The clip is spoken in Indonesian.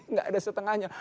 nggak ada setengahnya